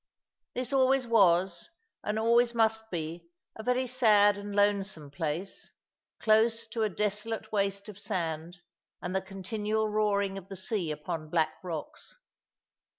This always was, and always must be, a very sad and lonesome place, close to a desolate waste of sand, and the continual roaring of the sea upon black rocks.